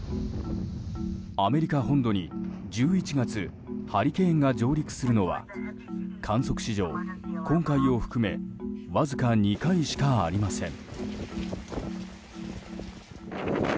アメリカ本土を１１月ハリケーンが上陸するのは観測史上、今回を含めわずか２回しかありません。